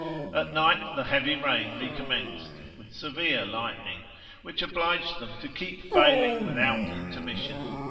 At night the heavy rain recommenced, with severe lightning, which obliged them to keep baling without intermission.